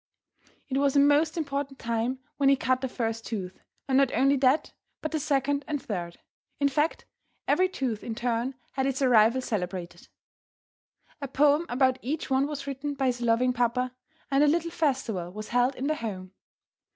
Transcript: It was a most important time when he cut the first tooth, and not only that, but the second and the third, in fact, every tooth in turn had its arrival celebrated. A poem about each one was written by his loving papa, and a little festival was held in the home.